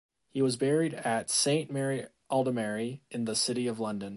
He was buried at Saint Mary Aldermary in the City of London.